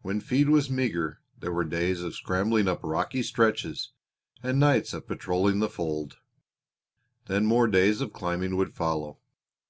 When feed was meager there were days of scrambling up rocky stretches, and nights of patrolling the fold. Then more days of climbing would follow.